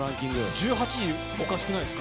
１８位、おかしくないですか？